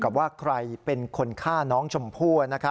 ว่าใครเป็นคนฆ่าน้องชมพู่